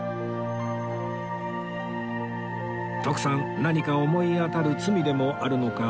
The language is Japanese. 徳さん何か思い当たる罪でもあるのか